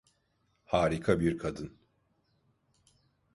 Harika bir kadın.